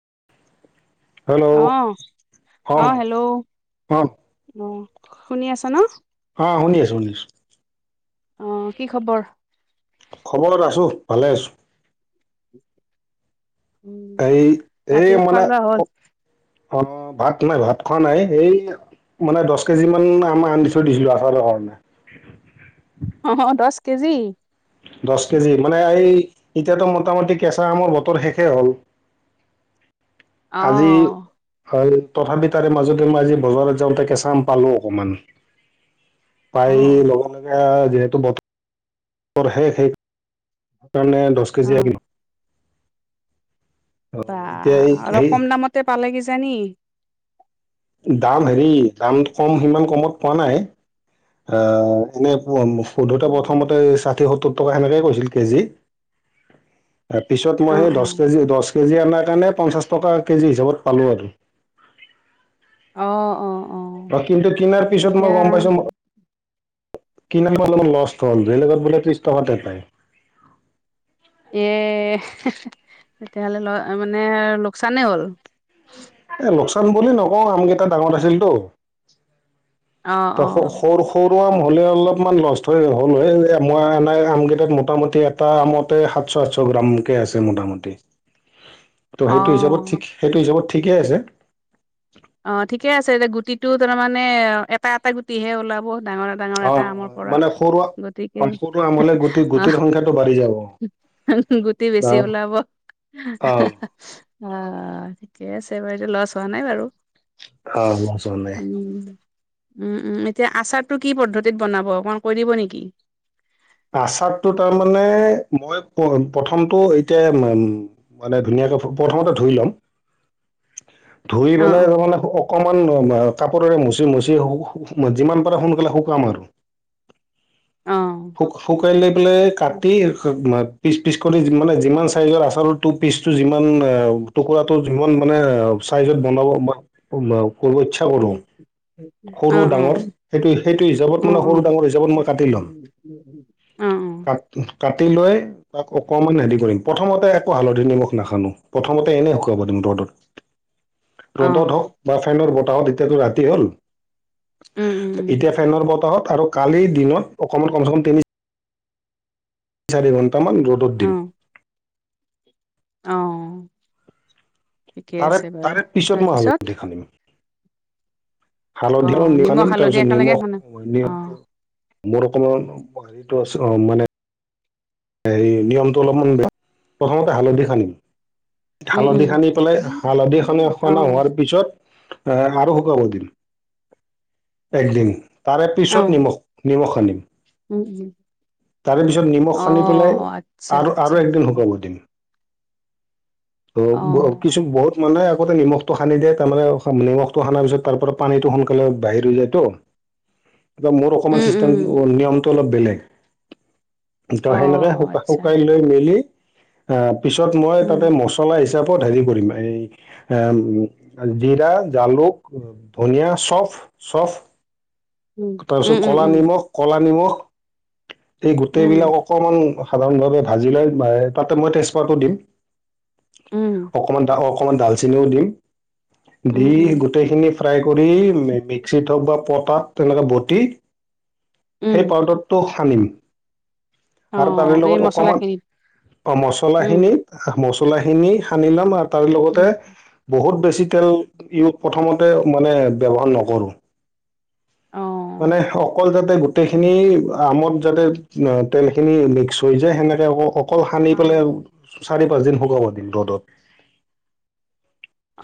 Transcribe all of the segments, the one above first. [inaudible] অহ অ - অহ, হেল্ল', অ অ, শুনি আছা ন? অ, শুনি আছো - শুনি আছো। অহ, কি খবৰ? খবৰ আছো ভালে আছো। এই - এই ৰাতিৰ খোৱা মানে লোৱা হ'ল অ, ভাত নাই ভাত খোৱা নাই এই মানে দহ কেজি মান আমাৰ আন দি থৈ দিছিলো আঠাৰ কাৰণে অ দশ কেজি। দশ কেজি মানে এই। এতিয়াতো মোটামুটি কেঁচা আমৰ বতৰ শেষেই হ'ল। আজি আহ হয়। তথাপি তাৰে মাজতে মই আজি বজাৰত যাওঁতে কেঁচা আম পালো অকমান। পায় আহ ল'ব লগীয়া যিহেতু বতৰৰ শেষেইষ কাৰণে দহ অ কেজি আহম বা এতিয়া এই অলপ হেৰি কম দামতে পালে কি জানি? দাম হেৰি দাম কম সিমান কমত পোৱা নাই। আহ, এনে সোধোতে উম প্ৰথমতে ষাঠি সত্ত সত্তৰ শেনেকে কৈছিল কেজি আৰু পিছত অ অ মই দশ কেজি দশ কেজি অনাৰ কাৰণে পঞ্চাছ টকা কেজি হিচাপত পালো আৰু। অ-অ। কিন্তু কিনাৰ পিছত মই গম পাইছো। কিন অলপ লষ্ট হ'ল বেলেগত বোলে ত্ৰিশ টকাতে পায়। য়েহ, তেতিয়াহলে ল মানে লোকচানেই হ'ল। এ লোকচান বুলি নকও আমকেইটা ডাঙৰ আছিলতো। অ ত অ সৰু - সৰু আম হ'লে অলপমান নষ্ট ত, হ'ল এই আমই এনোই আমকেইটাত মোটামুটি এটা আমতে সাতশ সাতশ গ্ৰামকৈ আছে মোঠাম মুতে [inaudible] ত, সেইটো হিচাপতিক - সেইটো হিচাপত ঠিকেই আছে। অ, ঠিকে আছে এতিয়া গুটিটো তাৰমানে এটা এটা গুটিহে ওলাব। ডাঙৰ - ডাঙৰ অ এটা আমৰ পৰা মানে সৰু গতিকে হে আ- সৰু আমলে গুটি অহ, গুটিৰ সংখ্যাটো বাঢ়ি যাব। গুটি বেছি ওলাব। অহ ', অ'। ঠিকে আছে বাৰু এইতিয়া লছ হোৱা নাই বাৰু। অ ম চ ন [unintelligible] উম। উম - উম এতিয়া আচাৰটো কি পদ্ধতিত বনাব অকণ কৈ দিব নেকি? আচাৰতটো তাৰ মানে মই প্ৰথমটো এতিয়া উম, মানে ধুনীয়া প্ৰথমতে ধুই লম। [inaudible] ধুই অ', পেলাই অ', তাৰমানে অকমান কাপোৰে মুচি মুচি সো-সো যিমান পাৰে সোনকালে শুকাম আৰু। অ', শু-শুকাই লৈ পেলাই কাটি মাত পিচ পিচ কৰি যিমান লাগে, যিমান চাইজৰ আচাৰটো পিচটো যিমান, টুকুৰাটো যিমান মানে চাইজত বনাব [unintelligible] কৰিব ইচ্ছা কৰোঁ। উম, অ', সৰু অ', অ', অ'। অ', অ', ডাঙৰ অ', সেইটো, সেইটো হিচাপত উম, মানে সৰু ডাঙৰ হিচাপত মই কাটি ল'ম। কাট-কাটি লৈ তাক অকমান হেৰি কৰিম। প্ৰথমতে একো হালধি নিমখ নাখানো। প্ৰথমতে এনেই শুকুৱাব দিম ৰ'দত। ৰ'দত হওঁক বা ফেনৰ বতাহত এতিয়াতো ৰাতি হ'ল। উম, এতিয়া ফেনৰ বতাহত আৰু কালিৰ দিনত অকমান কমচে কম তিনি চাৰি ঘণ্টামান ৰ'দত দিম। উম, অ' ঠিকে তাৰে আছে বাৰু তাৰে পিছত মই হালধি তাৰপিছত সানিম অ', হালধি আৰু নি নিমখ খানিম। হালধি তাৰপিছত একেলগে নিমখ সানা অ', [unintelligible] মোৰ অকণমান হেৰিটো আছে অ' মানে হেই নিয়মটো অলপমান বে, প্ৰথমতে হালধি খানিম। উম, উম, হালধি খানি পেলাই' হালধি খানা, খানা অ', হোৱাৰ পিছত আহ আৰু শুকাৱ এদিন, একদিন। তাৰে পিছত নিমখ, নিমখ খানিম। উ নিমখ সানি পেলাই অ' আচ্ছা, আৰু আৰু একদিন আচ্ছা। শুকাব দিম ত অ', গ কিছু বহুত মানে আগতে নিমখটো সানি দিয়ে তামানে নিমখটো সানা পিছত তাৰ পৰা পানীটো সোনকালে বাহিৰ হৈ যায় তো। [unintelligible] কিবা মোৰ অকণমান উম, উম। চিষ্টেমটো, নিয়মটো অলপ বেলেগ। ত অ সেনেকে আচ্ছা শুাকা-শুকাই লৈ মেলি আহ পিছত মই উম তাতে মচলা হিচাপত হেৰি কৰিম এই জিৰা, জালুক, ধনিয়, চফ চফ উম তাৰপিছত উম কলা উম নিমখ, কলা নিমখ। এই উম গোটেইবিলাক অকমান সাধাৰণ ভাৱে ভাজি লৈ তাতে মই তেজপাতটো দিম। উম অকমান, অকমান ডালচেনিও দিম। দি উম উম উম গোটেইখিনি ফ্ৰাই কৰি মিক্সিত হওঁক বা পটাত তেনেকে বটি উম সেই পাউদাতটো সানিম। অ আৰু তাৰে এই লগত মচলা অকমান, খিনিত অ' মছলা উম খিনি মচ চলা খিনি সানি লম আৰু তাৰ লগতে উম বহুত বেছ ই তেল, ইউ প্ৰথমতে মানে ব্যৱহাৰ নকৰোঁ। অ মানে অকল যাতে গোটেইখিনি আমত যাতে তেলখিনি মি মিচ হৈ যায় হেনেকে অক-অকল সানি অ পেলাই চাৰি পাঁচদিন শুকাব দিম ৰ'দত।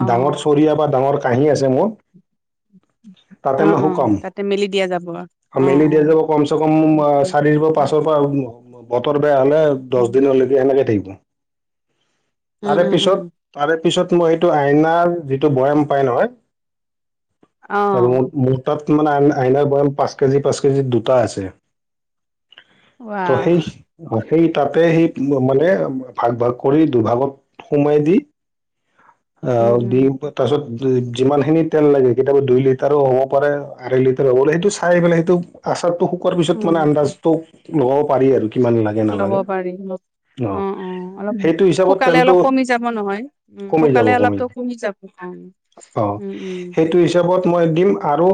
অ ডাঙৰ চৰিয়া বা ডাঙৰ কাঁহী আছে মোৰ। অ', অ' তাতে মেলি দিয়া যাব। অ' মেলি দিয়া যাব কমচে কম উম চাৰি পা, পাঁচ উম পা বতৰ বেয়া হ, লে দছ উম দিন। তলে দি হেনেকেই থাকিব। উম উম তাৰেপিছত, তাৰে পিছত মই হেটো আইনাৰ যিটো বয়াম পাই নহয়। অ আৰু মো-মোৰ তাত মানে আইনা আইনাৰ বয়াম পাঁচ কেজি, পাঁচ কেজি দুটা আছে। ত' সেই ওৱাহ। সেই তাতে সেই মানে ভাগ ভাগ কৰি দুভাগত সোমাই দি উম অ' দি উম তাছত যিমান খিনি তেল লাগে কেতিয়াবা দুই লিটাৰো হ'ব পাৰে, আঢ়ৈ লি বোলে হেটো চাই পেলাই হেটো আচাৰটো শুকোৱাৰ পিছত মানে উম আনতাজটো লব পাৰি আৰু। কিমান লাগে ল'ব নালাগে। পাৰি অ অ' অলপ সেইটো হিচাপত শুকালে তেলটো অলপ কমি যাব নহয় উম কমি যাব, শুকালে কমি অলপতো যা যাব অঁ, অ' উম উম সেইটো হিচাপত মই দিম আৰু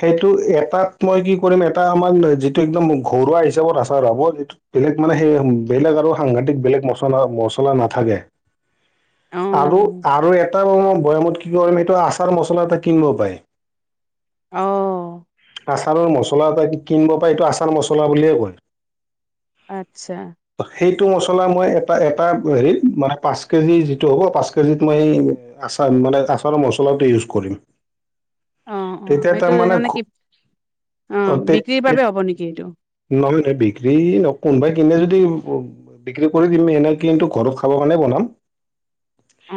সেইটো এটাত মই কি কৰিম, এটা আমাৰ যিটো একদম ঘৰুৱা হিচাপত আচাৰ হব যিটো বেলেগ মানে সেই বেলেগ আৰু সাংঘাতিক বেলেগ মচলা মচলা নাথাকে অ আৰু আৰু এটা বয়ামত কি কৰিম এইটো আচাৰ মছলা এটা কিনিব পাৰে আহ আচাৰৰ মছলা এটা কিনিব পাৰে এইটো আচাৰ মছলা বুলিয়ে কয় আচ্ছা ত সেইটো মছলা মই এটা এটা হেৰিত মানে পাঁচ কেজি যিটো হ'ব পাঁচ মই উম। আচাৰ মানে আচাৰৰ মছলাটো ইউজ কৰিম অ অ তেতিয়া সেইটো তাৰমানে মানে কি ঘ- অ বিক্ৰীৰ বাবে হ'ব নেকি এইটো এই বিক্ৰী ন কোনোবাই কিনে যদি বিক্ৰী কৰি দিম সেনে কিন্তু ঘৰত খাব কাৰণে বনাম অ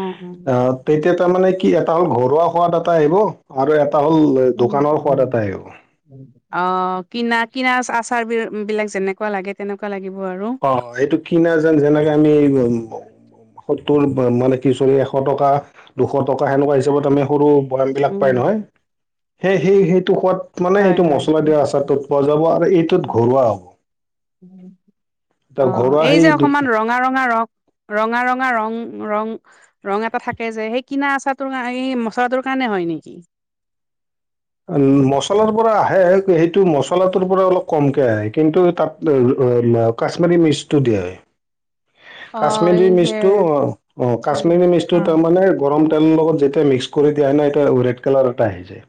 আহ তেতিয়া তাৰমানে কি এটা হ'ল ঘৰুৱা সোৱাদ এটা আহিব আৰু এটা হ'ল এ, দোকানৰ সোৱাদ এটা আহিব অ কিনা কিনা আচাৰ বি বিলাক যেনেকুৱা লাগে তেনেকুৱা লাগিব আৰু অ এইটো কিনা যেন যেনেকে আমি উ সত্তৰ মানে কি চৰি এশ টকা দুশ টকা সেনেকুৱা হিচাপত আমি সৰু বয়াম বিলাক উম পায় নহয় সেই সেই সেইটো সোৱাদ মানে হয় এইটো হয় মছলা দিয়া আচাৰ তত পোৱা যাব আৰু এইটোত ঘৰুৱা হ'ব অ এতিয়া ঘৰুৱা এই সেই যে দু অকমান ৰঙা ৰঙা ৰং ৰঙা ৰঙা ৰং ৰং ৰং এটা থাকে যে সেই কিনা আচাৰটোৰ এই মচলাটোৰ কাৰণে হয় নেকি উ মচলাৰ পৰা আহে সেইটো মচলাটোৰ পৰা অলপ কমকে আহে কিন্তু তাত কাশ্মাৰী মিচটো দিয়া হয় অ কাশ্মিৰী এই যে মিচটো অ অ কাশ্মিৰী মিচটো তাৰ মানে গৰম তেলৰ অ লগত যেতিয়া মিক্স কৰি দিয়া তাই নাইটো ৰেড কালাৰ এটা আহ যে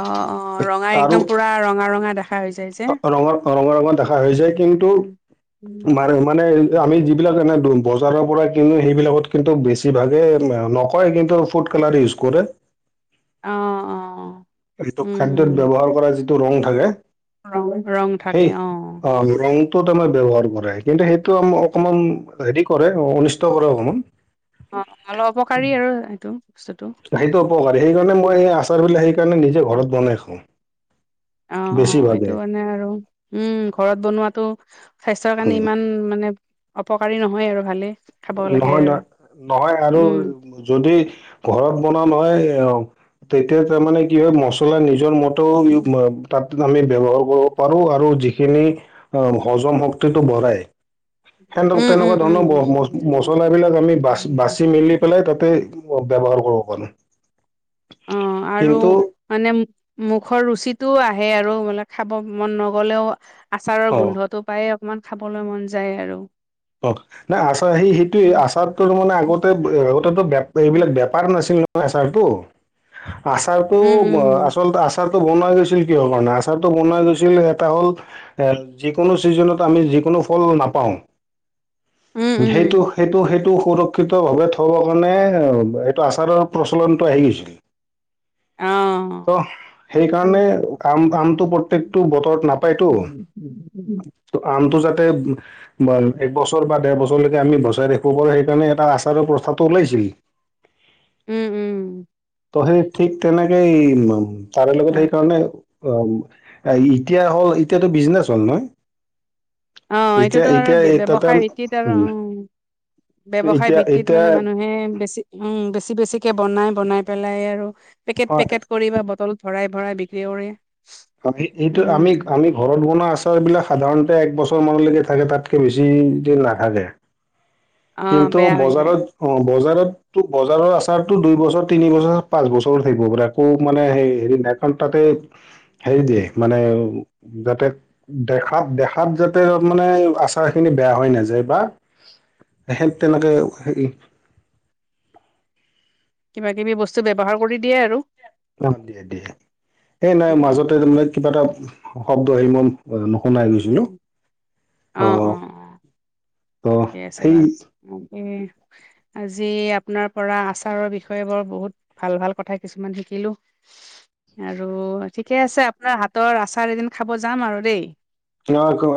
অ অ ৰঙা আৰু একদম পুৰা ৰঙা ৰঙা দেখা হৈ যায় যে ৰঙৰ ৰঙা ৰঙৰ দেখা হৈ যায় কিন্তু মান মানে আমি যিবিলাক এনে ধম বজাৰৰ পৰা কিন্তু সেইবিলাকত কিন্তু বেছিভাগে নকয় কিন্তু ফুড কালাৰ ইউজ কৰে অ অ এইটো উম উম খাদ্যয়ত ব্যৱহাৰ কৰা যিটো ৰং থাকে ৰং ৰং সেই থাকে অ ব্যৱহাৰ কৰে কিন্তু সেইটো অকণমান হেৰি কৰে অনিষ্ট কৰে অকমান অ অলপ অপকাৰী আৰু এইটো বস্তুটো সেইটো উপকাৰী সেইকাৰণে অ মই এই আচাৰবিলাক সেইকাৰণে নিজে ঘৰত বনাই খাওঁ অ অ এইটো বেছিভাগে মানে আৰু উম ঘৰত বনোৱাাতটো স্বাস্থ্যৰ কাৰণে ইমান মানে অপকাৰী নহয় আৰু ভালেই খাব লাগে নহয় আৰু নহয় নহয় আৰু উম যদি ঘৰত বনোৱা নহয় এ তেতিয়া তাৰমানানে কি হয় মছলা নিজৰ মতেও তাত আমি ব্যৱহাৰ কৰিব পাৰো আৰু যিখিনি অ হজম শক্তিটো বঢ়াই সেনে উম তেনেকুৱা ধৰণৰ ব বস্তু উম মচলাবিলাক আমি বা বাচি উম মেলি পেলাই তাতে ব্যৱহাৰ কৰিব পাৰোঁ অ আৰু কিন্তু মানে মুখৰ ৰুচিত টো আহে আৰু মানে খাব মন নগ'লেও আচাৰৰ অঁ গোন্ধটো পায় অকমান খাবলৈ মন যায় আৰু অ নাই আচাৰ সেই সেইটোে উম, আচাৰো মানে আগতে আগতেটো এইবিলাক বেপাৰ নাছিল আচাৰটো উম, আচলতে আচাৰটো বনাই থৈছিল কিয় মানে আচাৰটো বনাই থৈছিল এটা হল যিকোনো চিজনত আমি যিকোনো ফল নাপাওঁ উম, সেইটো উম, সেইটো সেইটো টো সুৰক্ষিত ভাৱে থবৰ কাৰণে এইটো আচাৰৰ প্ৰচলনটো আহি গৈছিল অ ত সেইকাৰণে কাম কামটো প্ৰত্যেকটো বতৰত নাপায়তো আমটো যাতে এক বছৰ বা ডেৰ বছৰলৈকে আমি বচাই ৰাখিব পাৰোঁ সেইকাৰণে এটা আচাৰৰ প্ৰস্তাৱটো ওলাইছিল উম উম ত সেই ঠিক তেনেকে ই তাৰে লগত হয়। সেইকাৰণে অ এতিয়া হ'ল এতিয়াতো বিজনেচ হ'ল নহয় অ এইটোতো আৰু ব্যৱসায় ব্যৱসায় ভিত্তিত আৰু অ উম ব্যৱসায় এতিয়া ভিত্তিত এতিয়া মানে মানুহে বেছি উম বেছি বেছিকে বনাই বনাই পেলাই আৰু পেকেট হয় পেকেট কৰি বা বটল ভৰাই ভৰাই বিক্ৰী কৰি অ এইটো আমি আমি ঘৰত বনোৱা আছ বিলাক সাধাৰণতে এক বছৰ মানলৈকে থাকে তাতকে বেছি কে নাথাকে অ', কিন্তু বেয়া হৈ যায়। বজাৰত অ বজাৰত তো বজাৰৰ আচাৰতো দুই বছৰ তিনি বছৰ পাঁচ বছৰ থাকিব পাৰে একৌ মানে হেৰি নাই কাৰণ তাত হেৰি দিয়ে মানে যাতে দেখাত দেখাত যাতে ত মানে আচাৰ খিনি বেয়া হৈ নাযায় বা খেত তেনেকৈ কিবা কিবি বস্তু ব্যৱহাৰ কৰি দিয়ে আৰু অ দিয়ে দিয়ে এই নাই উম উম মাজতে তাৰমানে কিবা এটা শব্দ আহি মই সোনাই গৈছিলো উম। আহ কছে ব আজি আপোনাৰ পৰা আচাৰৰ বিষয়ে বৰ বহুত ভাল ভাল কথা কিছুমান শিকিলো আৰু ঠিকে আছে আপোনাৰ হাতৰ আচাৰ এদিন খাব যাম আৰু দেই অ ক-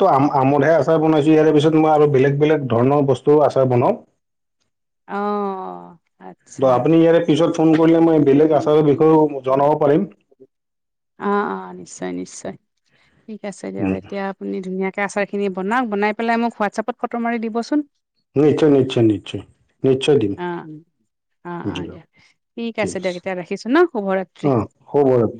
ম আমোদহে আচাৰ বনাইছো ইয়াৰ পিছত মই আৰু বেলেগ বেলেগ ধৰণৰ বস্তু আচাৰ বনাও অঁ ত আপুনি ইয়াৰে পিছত ফোন কৰি পাৰিম আহ অ নিশ্চয় নিশ্চয় ঠিক আছে দিয়ক উম, এতিয়া আপুনি ধুনীয়াকে আচাৰ খিনি বনাওক বনাই পেলাই মোক হোৱাটছএপত ফটো মাৰি দিবচোন নিশ্চয় নিশ্চয় নিশ্চয় নিশ্চয় দম অঁ অঁ অঁ বুজিল দিয়া ঠিক আছে দিয়ক এতিয়া ৰাখিছোঁ ন ঠিক শুভৰাত্ৰি। অ হবাৰত